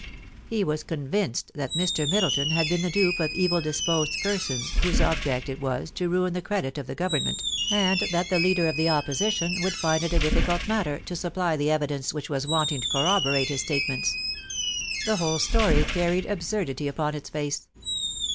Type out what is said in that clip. He was convinced that Mr. Middleton had been the dupe of evil disposed persons whose object it was to ruin the credit of the Government, and that the leader of the Oppo sition would find it a difficult matter to supply the evidence which was wanting to corroborate his statements. ... The whole story carried absurdity upon its face.